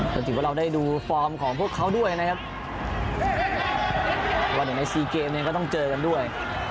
ก็ถือว่าเราได้ดูฟอร์มของพวกเขาด้วยนะครับวันหนึ่งในสี่เกมเนี่ยก็ต้องเจอกันด้วย